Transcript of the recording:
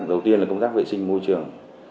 đầu tiên là công tác vệ sinh môi trường